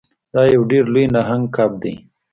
دا یو ډیر لوی نهنګ کب دی.